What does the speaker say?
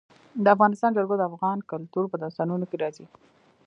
د افغانستان جلکو د افغان کلتور په داستانونو کې راځي.